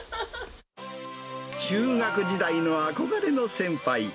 中学時代の憧れの先輩。